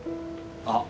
あっ！